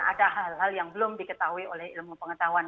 ada hal hal yang belum diketahui oleh ilmu pengetahuan